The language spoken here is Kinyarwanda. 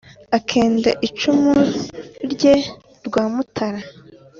akende icúmu ryé rwamútara